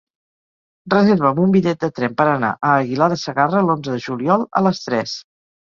Reserva'm un bitllet de tren per anar a Aguilar de Segarra l'onze de juliol a les tres.